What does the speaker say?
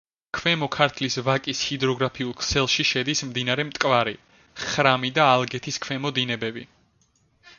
ქვემო ქართლის ვაკის ჰიდროგრაფიულ ქსელში შედის მდინარე მტკვარი, ხრამი და ალგეთის ქვემო დინებები.